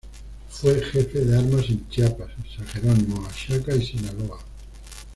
Fue jefe de armas en Chiapas, en San Jerónimo, Oaxaca y Sinaloa.